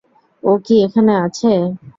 ও কি এখানে আছে?